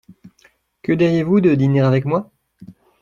Que diriez-vous de dîner avec moi ?